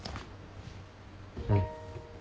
うん。